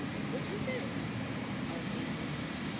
"What is it?" asked Evelyn.